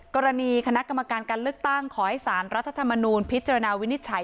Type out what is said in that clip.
กรณีคณะกรรมการการเลือกตั้งขอให้สารรัฐธรรมนูลพิจารณาวินิจฉัย